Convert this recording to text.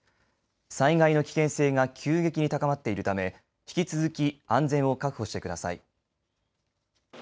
災害の危険性が急激に高まっているため引き続き安全を確保してください。